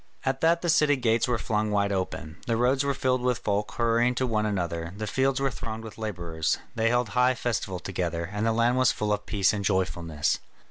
At that the city gates were flung wide open, the roads were filled with folk hurrying to one another, the fields were thronged with labourers. They held high festival together, and the land was full of peace and joyfulness.